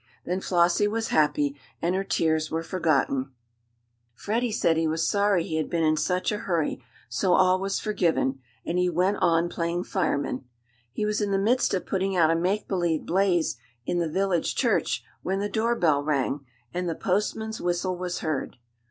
Then Flossie was happy, and her tears were forgotten. Freddie said he was sorry he had been in such a hurry, so all was forgiven, and he went on playing fireman. He was in the midst of putting out a make believe blaze in the village church when the doorbell rang, and the postman's whistle was heard.